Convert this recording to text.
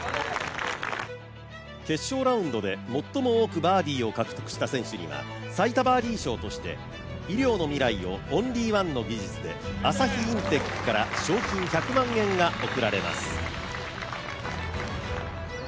決勝ラウンドで最も多くバーディーを獲得した選手には最多バーディー賞として、医療の未来をオンリーワンの技術で、朝日インテックから賞金１００万円が贈られます。